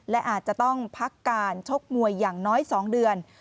และอาจจะต้องพักการชกมวยอย่างน้อย๒เดือน